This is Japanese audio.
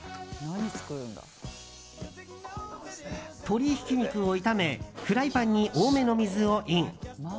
鶏ひき肉を炒めフライパンに多めの水をイン。